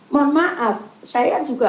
kalau sudah sekfight terunjuk